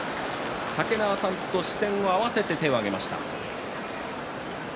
竹縄さんと視線を合わせて手を上げました。